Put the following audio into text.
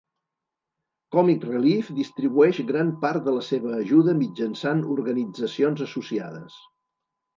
Comic Relief distribueix gran part de la seva ajuda mitjançant organitzacions associades.